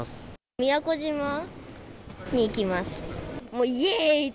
宮古島に行きます。